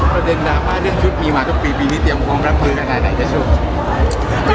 ประเด็นดราม่าเลือกชุดมีมาทุกปีที่เตรียมรับพื้นกันงานไหนจะช่วย